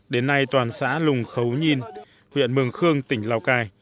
đến nay toàn xã lùng khấu nhiên huyện mường khương tỉnh lào cai